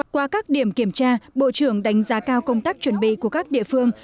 qua các điểm kiểm tra bộ trưởng đánh giá cao công tác chuẩn bị của các địa phương